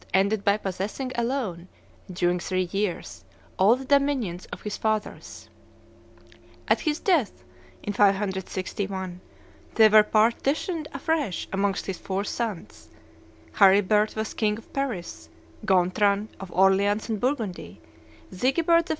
ended by possessing alone, during three years, all the dominions of his fathers. At his death, in 561, they were partitioned afresh amongst his four sons; Charibert was king of Paris; Gontran of Orleans and Burgundy; Sigebert I.